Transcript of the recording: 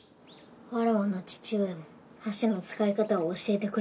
わらわの父上も箸の使い方を教えてくれたぞよ。